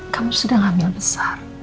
kamu sudah ngambil besar